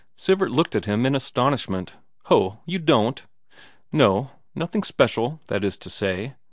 Sivert looked at him in astonishment. "Ho, don't you?" "No, nothing special, that is to say.